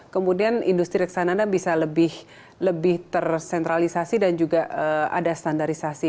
kemudian industri reksadana bisa lebih tersentralisasi dan juga ada standar